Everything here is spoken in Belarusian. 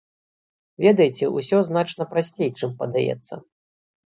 Ведаеце, ўсё значна прасцей, чым падаецца.